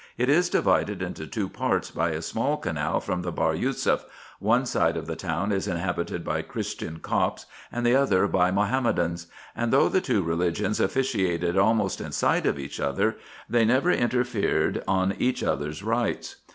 It is divided into two parts by a small canal from the Bahr Yousef. One side of the town is inhabited by Christian Copts, and the other by Mahomedans ; and though the two religions officiated almost in sight of each other, they never interfered on each other's rights.